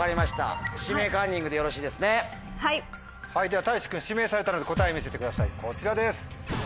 ではたいし君指名されたので答え見せてくださいこちらです。